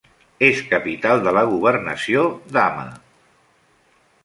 És capital de la governació d'Hama.